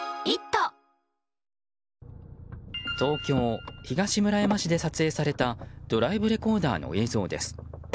東京・東村山市で撮影されたドライブレコーダーの映像です。